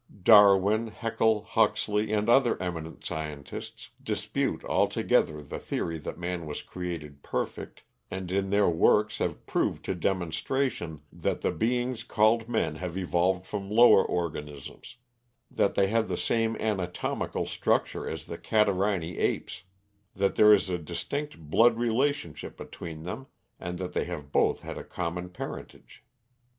Darwin, Haeckel, Huxley, and other eminent scientists, dispute altogether the theory that man was created perfect, and in their works have proved to demonstration that the beings called men have evolved from lower organisms; that they have the same anatomical structure as the Catarrhini apes; that there is a distinct blood relationship between them, and that they have both had a common parentage.